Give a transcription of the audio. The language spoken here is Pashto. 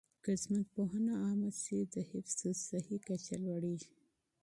که ژوندپوهنه عامه شي، د حفظ الصحې کچه لوړيږي.